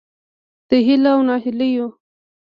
د هیلو او نهیلیو